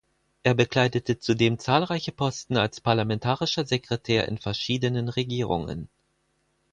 Er bekleidete zudem zahlreiche Posten als Parlamentarischer Sekretär in verschiedenen Regierungen.